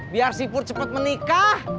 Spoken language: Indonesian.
biar si pur cepet menikah